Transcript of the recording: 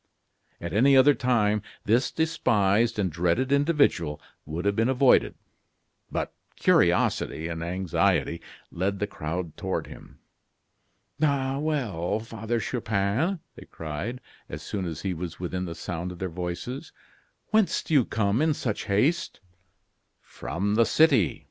At any other time this despised and dreaded individual would have been avoided; but curiosity and anxiety led the crowd toward him. "Ah, well, Father Chupin!" they cried, as soon as he was within the sound of their voices; "whence do you come in such haste?" "From the city."